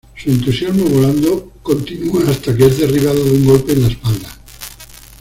Su entusiasmo volando continua hasta que es derribado de un golpe en la espalda.